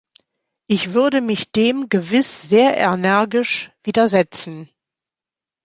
Ich würde mich dem gewiss sehr energisch widersetzen.